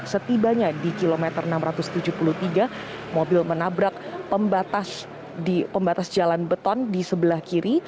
setibanya di kilometer enam ratus tujuh puluh tiga mobil menabrak pembatas jalan beton di sebelah kiri